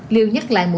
liều nhắc lại mũi ba